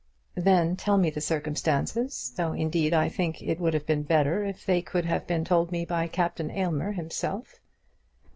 "Then tell me the circumstances, though indeed I think it would have been better if they could have been told to me by Captain Aylmer himself."